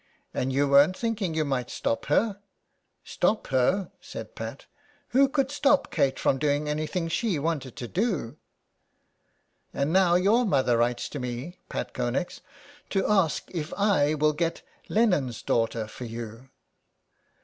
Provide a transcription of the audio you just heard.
'' And you weren't thinking you might stop her ?" "Stop her," said Pat. "Who could stop Kate from doing anything she wanted to do ?"'* And now your mother writes to me, Pat Connex, to ask if I will get Lennon's daughter for you."